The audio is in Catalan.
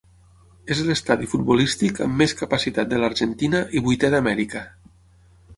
És l'estadi futbolístic amb més capacitat de l'Argentina i vuitè d'Amèrica.